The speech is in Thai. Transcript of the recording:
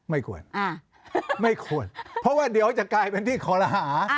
ไม่ควรไม่ควรเพราะว่าเดี๋ยวจะกลายเป็นที่คอรหา